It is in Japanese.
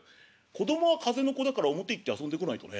「子供は風の子だから表行って遊んでこないとね」。